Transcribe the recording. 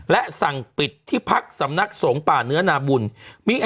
และสั่งปิดที่พลักษณะศงป่าเนื้อนาบุลไม่ให้